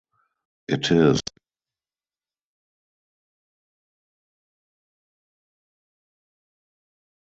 It is tough enough ever getting work, just the sheer odds.